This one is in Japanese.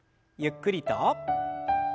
ゆっくりと。